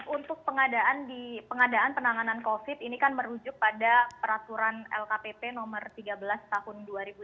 untuk pengadaan penanganan covid ini kan merujuk pada peraturan lkpp nomor tiga belas tahun dua ribu sembilan belas